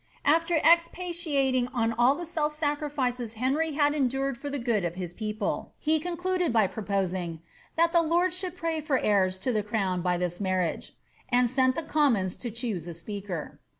After expatiating on all the self sacrifices Henry had endured for the good of his people, he concluded by proposing ^ that the lords should prey for heirs to the crown by this marriage," and sent the coomions to choose a speaker.